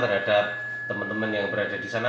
terhadap teman teman yang berada di sana